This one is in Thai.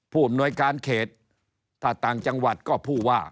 ผู้อำนวยการเขตถ้าต่างจังหวัดก็ผู้ว่า